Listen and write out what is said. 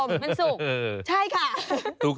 มันสุก